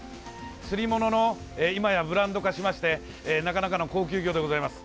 釣りもののいまやブランド化しましてなかなかの高級魚でございます。